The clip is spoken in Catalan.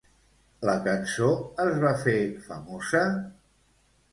La cançó es va fer famosa?